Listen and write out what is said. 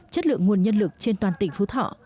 chất lượng nguồn nhân lực trên toàn tỉnh phú thọ